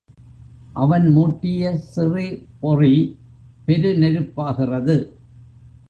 அவன் மூட்டிய சிறு பொறி பெரு நெருப்பாகிறது.